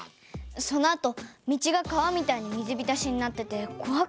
そのあと道が川みたいに水びたしになっててこわかった。